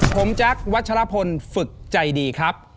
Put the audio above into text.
ผมแจ๊ควัชลพลฝึกใจดีครับ